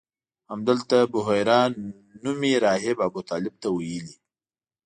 همدلته بحیره نومي راهب ابوطالب ته ویلي.